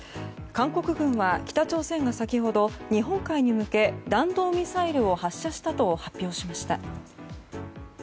韓国軍は北朝鮮が先ほど日本海に向け、弾道ミサイルを発射したと発表しました。